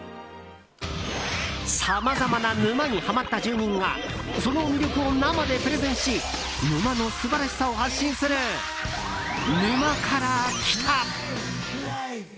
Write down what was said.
さまざまな沼にハマった住人がその魅力を生でプレゼンし沼の素晴らしさを発信する「沼から来た。」。